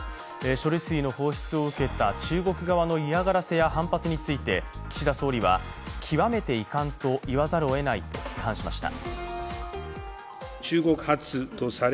処理水の放出を受けた中国側の嫌がらせや反発について岸田総理は、極めて遺憾と言わざるを得ないと批判しました。